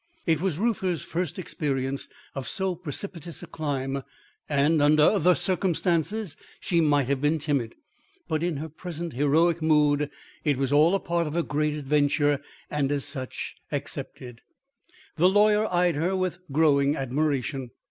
It was Reuther's first experience of so precipitous a climb, and under other circumstances she might have been timid; but in her present heroic mood, it was all a part of her great adventure, and as such accepted. The lawyer eyed her with growing admiration.